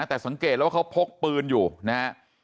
แต่สังเกตแล้วว่าเขาพกปืนอยู่นะฮะ